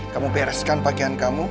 kamu bereskan pakaian kamu